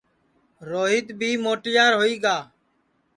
روہیت بی موٹیار ہوئی گا